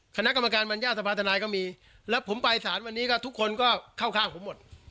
คณะกรรมการบรรยาสภาธนายก็มีแล้วผมไปสารวันนี้ก็ทุกคนก็เข้าข้างผมหมด